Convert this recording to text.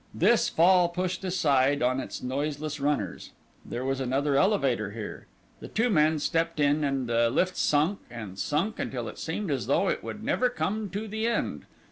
This Fall pushed aside on its noiseless runners. There was another elevator here. The two men stepped in and the lift sunk and sunk until it seemed as though it would never come to the end.